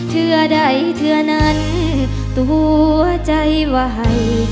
เธอใดเธอนั้นตัวใจว่าให้